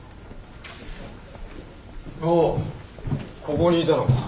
おうここにいたのか。